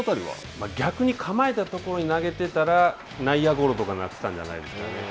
逆に構えたところに投げていたら、内野ゴロとかになってたんじゃないでしょうかね。